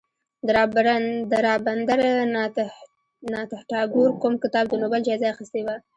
د رابندر ناته ټاګور کوم کتاب د نوبل جایزه اخیستې وه.